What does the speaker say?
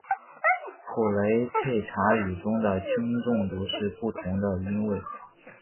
普雷佩查语中的轻重读是不同的音位。